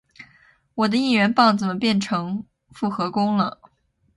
我的应援棒怎么变成复合弓了？